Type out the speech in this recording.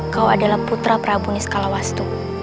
kau adalah putra prabuni skala wastu